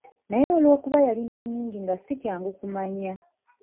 Naye olwokuba yalina nnyingi nga si kyangu kumanya.